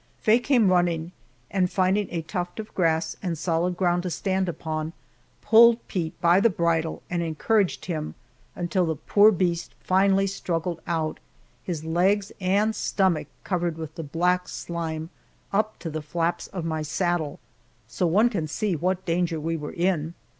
Faye came running, and finding a tuft of grass and solid ground to stand upon, pulled Pete by the bridle and encouraged him until the poor beast finally struggled out, his legs and stomach covered with the black slime up to the flaps of my saddle, so one can see what danger we were in.